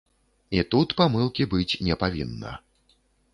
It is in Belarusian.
І тут памылкі быць не павінна.